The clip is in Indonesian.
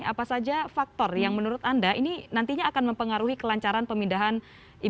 apa saja faktor yang menurut anda ini nantinya akan mempengaruhi kelancaran pemindahan ibu kota